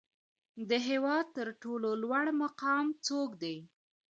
د هیواد تر ټولو لوړ مقام څوک دی؟